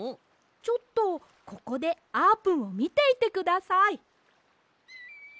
ちょっとここであーぷんをみていてください。